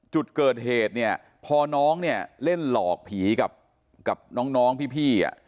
จุดเกิดเหตุเนี้ยพอน้องเนี้ยเล่นหลอกผีกับกับน้องน้องพี่พี่อะ